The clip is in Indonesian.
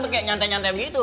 kayak nyantai nyantai gitu